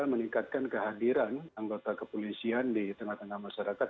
meningkatkan kehadiran anggota kepolisian di tengah tengah masyarakat